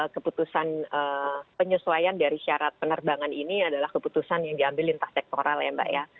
keputusan penyesuaian dari syarat penerbangan ini adalah keputusan yang diambil lintas sektoral ya mbak ya